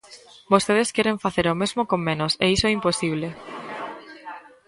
Vostedes queren facer o mesmo con menos, e iso é imposible.